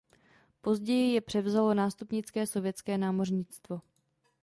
Později je převzalo nástupnické sovětské námořnictvo.